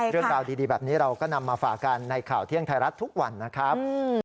เรื่องราวดีแบบนี้เราก็นำมาฝากกันในข่าวเที่ยงไทยรัฐทุกวันนะครับ